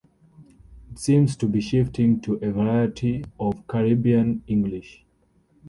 It seems to be shifting to a variety form of Caribbean English.